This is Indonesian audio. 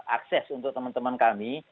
akses untuk teman teman kami